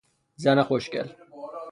زن خوشگل